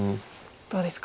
どうですか。